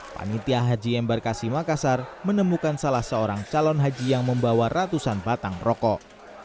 panitia haji embarkasi makassar menemukan salah seorang calon haji yang membawa ratusan batang rokok